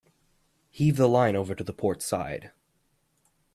Heave the line over the port side.